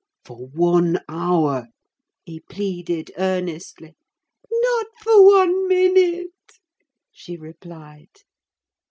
"For one hour," he pleaded earnestly. "Not for one minute," she replied.